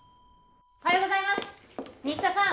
おはようございます新田さん